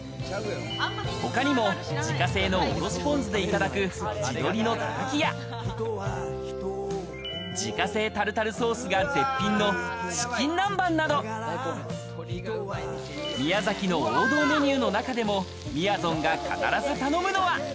他にも自家製のおろしポン酢でいただく地鶏のたたきや自家製タルタルソースが絶品のチキン南蛮など、宮崎の王道メニューの中でも、みやぞんが必ず頼むのは。